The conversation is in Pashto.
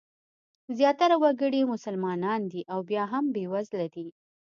زیاتره وګړي یې مسلمانان دي او بیا هم بېوزله دي.